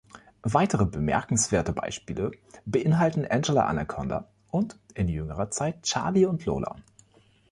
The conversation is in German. Weitere bemerkenswerte Beispiele beinhalten "Angela Anaconda" und, in jüngerer Zeit, "Charlie und Lola".